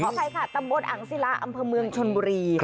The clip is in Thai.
อภัยค่ะตำบลอังศิลาอำเภอเมืองชนบุรี